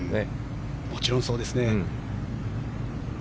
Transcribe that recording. もちろんそうですね。